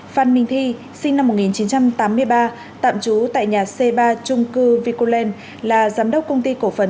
phan minh thi sinh năm một nghìn chín trăm tám mươi ba tạm trú tại nhà c ba trung cư vicoland là giám đốc công ty cổ phần